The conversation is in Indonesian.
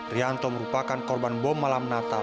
rianto merupakan korban bom malam natal